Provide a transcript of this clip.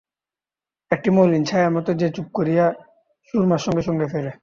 একটি মলিন ছায়ার মতো যে চুপ করিয়া সুরমার সঙ্গে সঙ্গে ফেরে।